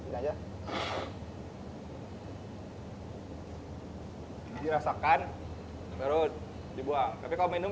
jangan ditempelkan ke bibir